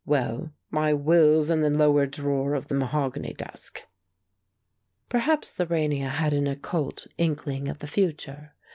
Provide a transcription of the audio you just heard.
Well, my will's in the lower drawer of the mahogany desk." Perhaps Lorania had an occult inkling of the future.